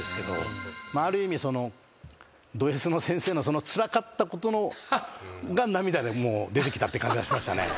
ある意味ドＳの先生のそのつらかったことが涙で出てきたっていう感じがしましたね。